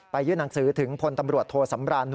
ไปยื่นหนังสือถึงพลตำรวจโทษศำรานนวลมา